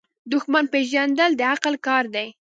دښمن پیژندل د عقل کار دی.